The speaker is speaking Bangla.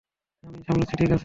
আমি সামলাচ্ছি, ঠিক আছে?